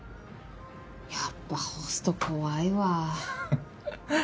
やっぱホスト怖いわ。ははっ。